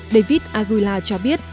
david aguila cho biết